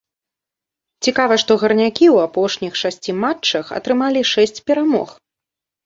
Цікава, што гарнякі ў апошніх шасці матчах атрымалі шэсць перамог!